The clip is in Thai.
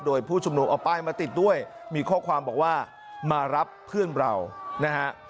โดยผู้ชุมนุมเอาป้ายมาติดด้วยมีข้อความบอกว่ามารับเพื่อนเรานะฮะ